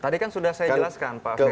tadi kan sudah saya jelaskan pak firl